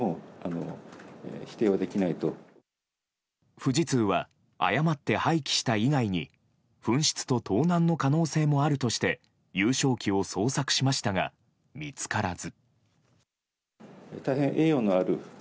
富士通は誤って廃棄した以外に紛失と盗難の可能性もあるとして優勝旗を捜索しましたが見つからず。